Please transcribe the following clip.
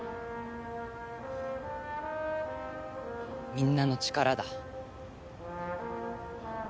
みんなの力だ。